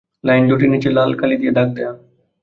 Line দুটির নিচে লাল কালি দিয়ে দাগ দেয়া।